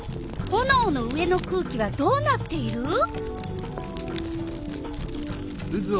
ほのおの上の空気はどうなっている？